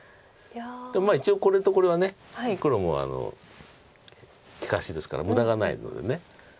でも一応これとこれは黒も利かしですから無駄がないので。